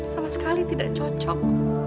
sama sekali tidak cocok